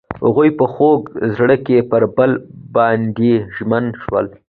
هغوی په خوږ زړه کې پر بل باندې ژمن شول.